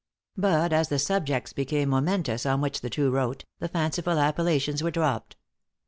But as the subjects became momentous on which the two wrote, the fanciful appellations were dropped.